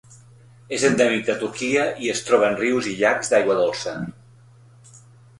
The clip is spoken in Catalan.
És endèmic de Turquia i es troba en rius i llacs d'aigua dolça.